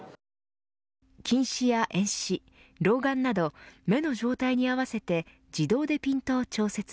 近視や遠視老眼など目の状態に合わせて自動でピントを調節。